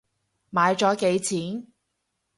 買咗幾錢？